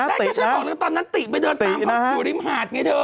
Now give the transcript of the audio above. นั่นก็ใช่บอกแล้วตอนนั้นติไปเดินตามของหัวริมหาดไงเธอ